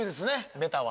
ベタは。